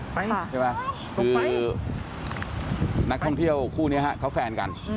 ไปค่ะใช่ไหมคือนักท่องเที่ยวคู่นี้ฮะเขาแฟนกัน